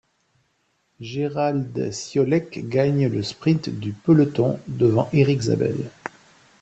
Gerald Ciolek gagne le sprint du peloton devant Erik Zabel.